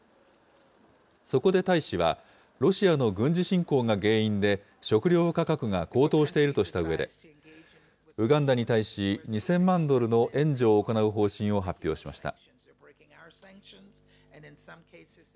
そこで大使は、ロシアの軍事侵攻が原因で、食料価格が高騰しているとしたうえで、ウガンダに対し、２０００万ドルの援助を行う方針を発表しました。